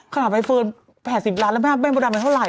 ขนาดไอ้เฟิร์น๘๐ล้านแล้วแม่งบดดำเป็นเท่าไร